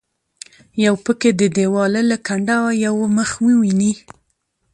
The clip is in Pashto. یو پکې د دیواله له کنډوه یو مخ وویني.